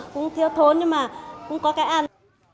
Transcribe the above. cũng thiếu thốn nhưng mà cũng có cái ăn